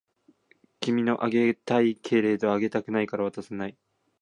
君のあげたいけれどあげたくないから渡さない